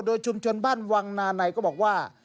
โดยชุมชนบ้านวังนาในก็บอกว่า